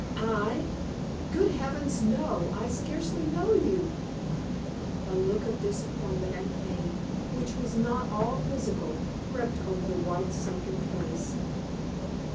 "I? Good heavens, no! I scarcely know you." A look of disappointment and pain, which was not all physical, crept over the white, sunken face.